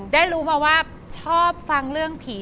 ได้รู้มาว่าชอบฟังเรื่องผี